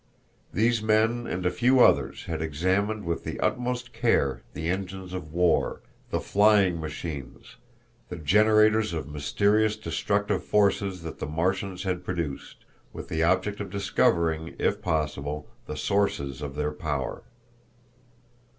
These men and a few others had examined with the utmost care the engines of war, the flying machines, the generators of mysterious destructive forces that the Martians had produced, with the object of discovering, if possible, the sources of their power.